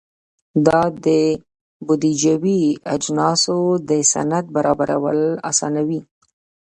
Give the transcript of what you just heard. دا د بودیجوي اجناسو د سند برابرول اسانوي.